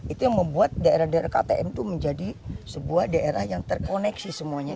itu yang membuat daerah daerah ktm itu menjadi sebuah daerah yang terkoneksi semuanya